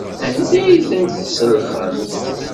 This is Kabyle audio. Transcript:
Anda ay tent-tselxemt?